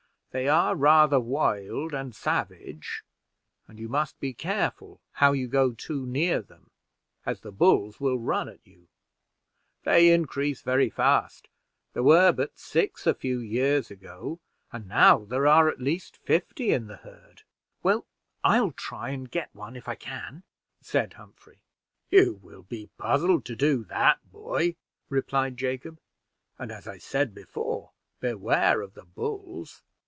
They are rather wild and savage, and you must be careful how you go too near them, as the bulls will run at you. They increase very fast: there were but six a few years ago, and now there are at least fifty in the herd." "Well, I'll try and get one, if I can," said Humphrey. "You will be puzzled to do that, boy," replied Jacob, "and as I said before, beware of the bulls."